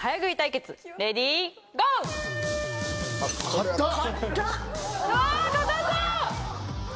硬っ！